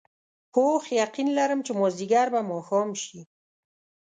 پوخ یقین لرم چې مازدیګر به ماښام شي.